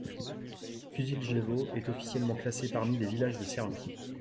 Kušiljevo est officiellement classé parmi les villages de Serbie.